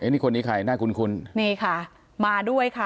นี่คนนี้ใครน่าคุ้นมาด้วย